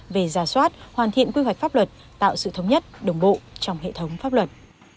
về giả soát hoàn thiện quy hoạch pháp luật tạo sự thống nhất đồng bộ trong hệ thống pháp luật